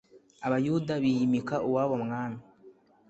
abayuda biyimikira uwabo mwami